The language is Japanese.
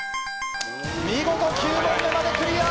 見事９問目までクリア！